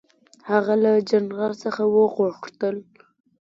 هغه له جنرال څخه وغوښتل.